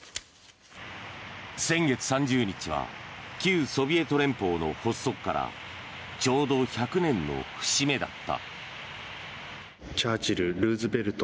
先月３０日は旧ソビエト連邦の発足からちょうど１００年の節目だった。